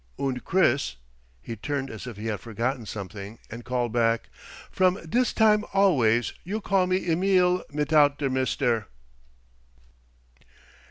"Und Chris!" He turned as if he had forgotten something, and called back, "From dis time always you call me 'Emil' mitout der 'Mister'!"